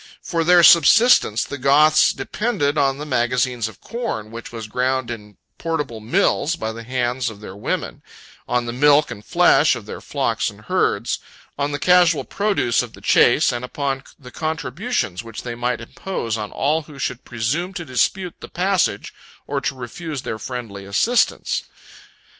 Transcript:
For their subsistence, the Goths depended on the magazines of corn which was ground in portable mills by the hands of their women; on the milk and flesh of their flocks and herds; on the casual produce of the chase, and upon the contributions which they might impose on all who should presume to dispute the passage, or to refuse their friendly assistance.